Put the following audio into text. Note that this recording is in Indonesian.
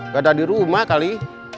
gak ada di rumah kali